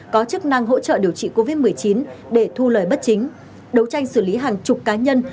có chức năng hỗ trợ điều trị covid một mươi chín để thu lời bất chính đấu tranh xử lý hàng chục cá nhân